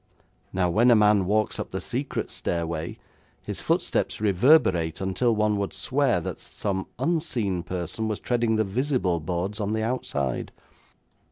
Now, when a man walks up the secret stairway, his footsteps reverberate until one would swear that some unseen person was treading the visible boards on the outside.'